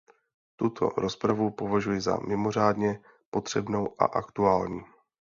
Tuto rozpravu považuji za mimořádně potřebnou a aktuální.